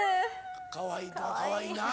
かわいいな。